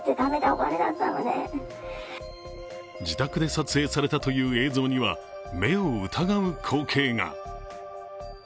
自宅で撮影されたという映像には、目を疑う光景が。